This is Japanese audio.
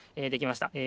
えできました。